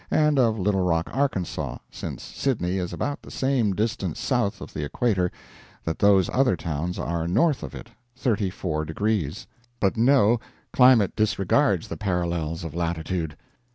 and of Little Rock, Arkansas, since Sydney is about the same distance south of the equator that those other towns are north of it thirty four degrees. But no, climate disregards the parallels of latitude.